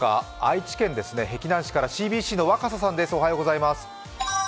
愛知県碧南市からＣＢＣの若狭さん。